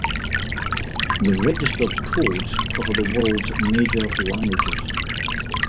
The registered codes cover the world's major languages.